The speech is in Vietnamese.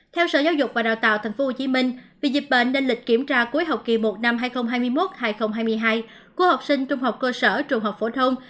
theo sở giáo dục và đào tạo tp hcm vì dịch bệnh nên lịch kiểm tra cuối học kỳ một năm hai nghìn hai mươi một hai nghìn hai mươi hai của học sinh trung học cơ sở trung học phổ thông